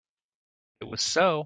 But it was so.